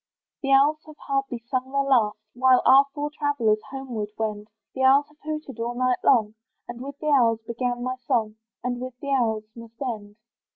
The owls have hardly sung their last, While our four travellers homeward wend; The owls have hooted all night long, And with the owls began my song, And with the owls must end.